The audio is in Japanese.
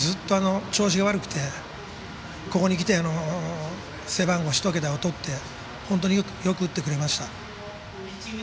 ずっと調子が悪くてここに来て背番号１桁をとって本当によく打ってくれました。